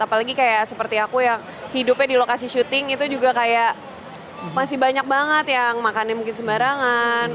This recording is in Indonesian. apalagi kayak seperti aku yang hidupnya di lokasi syuting itu juga kayak masih banyak banget yang makannya mungkin sembarangan